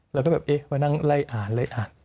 แล้วก็แบบเอ๊ะมานั่งไล่อ่านไล่อ่าน